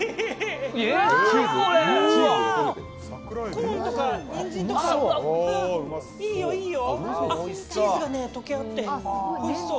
コーンとかにんじんとか、いいよいいよ。